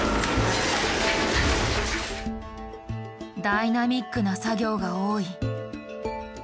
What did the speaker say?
ダイナミックな作業が多い。